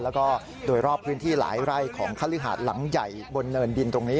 แล้วก็โดยรอบพื้นที่หลายไร่ของคฤหาดหลังใหญ่บนเนินดินตรงนี้